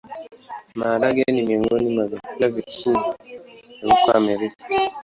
Maharagwe ni miongoni mwa vyakula vikuu vya huko Amerika.